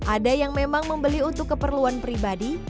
ada yang memang membeli untuk keperluan pribadi